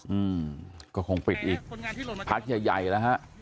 อืมก็คงปิดอีกพักใหญ่ใหญ่แล้วฮะ